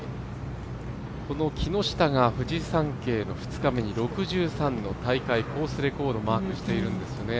この木下が、フジサンケイの２日目に６３の大会コースレコードマークしているんですよね。